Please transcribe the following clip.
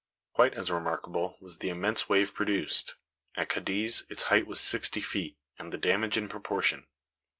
Quite as remarkable was the immense wave produced. At Cadiz its height was sixty feet, and the damage in proportion.